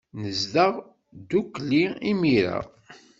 Nezdeɣ ddukkli imir-a.